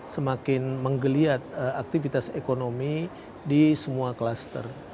semakin menggeliat aktivitas ekonomi di semua klaster